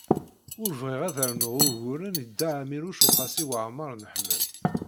Ur bɣiɣ ad d-rnuɣ uguren i Dda Ɛmiiruc u Qasi Waɛmer n Ḥmed.